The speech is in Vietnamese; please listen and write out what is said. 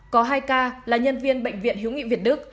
có hai ca là nhân viên bệnh viện hiếu nghị việt đức